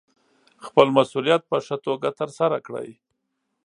خپل مسوولیت په ښه توګه ترسره کړئ.